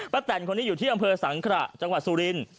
แตนคนนี้อยู่ที่อำเภอสังขระจังหวัดสุรินทร์